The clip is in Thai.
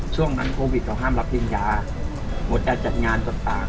ช่วงนั้นโควิดเค้าห้ามรับปริญญาหมดจากจัดงานจบต่าง